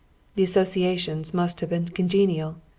The associations must have been congenial.